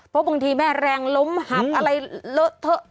เพราะบางทีแม่แรงล้มหักอะไรเลอะเทอะ